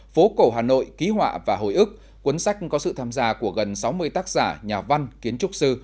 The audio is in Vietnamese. phố cổ hà nội ký họa và hồi ức cuốn sách có sự tham gia của gần sáu mươi tác giả nhà văn kiến trúc sư